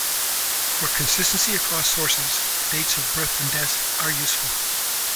For consistency across sources, dates of birth and death are useful.